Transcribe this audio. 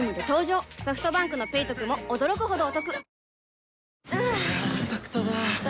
ソフトバンクの「ペイトク」も驚くほどおトク